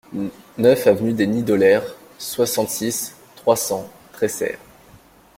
neuf avenue des Nidoleres, soixante-six, trois cents, Tresserre